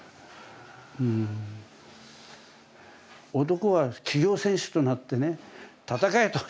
男は企業戦士となってね戦えと。